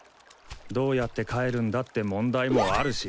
どうやって帰るんだって問題もあるし！